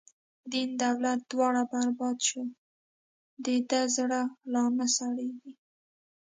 دین دولت دواړه برباد شو، د ده زړه لانه سړیږی